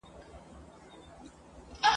چا سره ورځ پر جوړه کړه؟